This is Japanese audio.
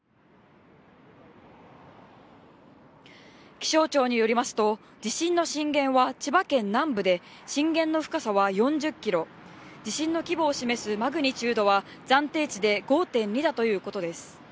気象庁によりますと、地震の震源は千葉県南部で、震源の深さは４０キロ地震の規模を示すマグニチュードは暫定値で５．２だということです。